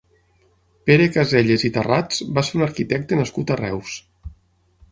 Pere Caselles i Tarrats va ser un arquitecte nascut a Reus.